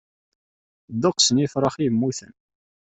Ddeqs n yifṛax i yemmuten.